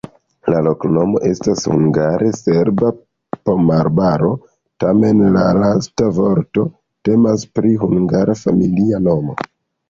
La loknomo estas hungare: serba-pomoarbaro, tamen la lasta vorto temas pri hungara familia nomo.